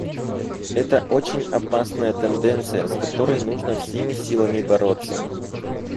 Это очень опасная тенденция, с которой нужно всеми силами бороться.